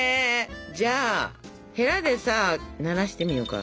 じゃあヘラでさならしてみようか。